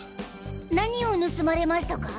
何を盗まれましたか？